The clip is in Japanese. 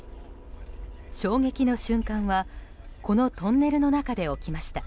衝撃の瞬間はこのトンネルの中で起きました。